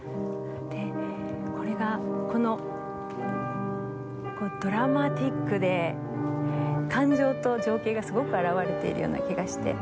でこれがこのドラマチックで感情と情景がすごく表れているような気がして。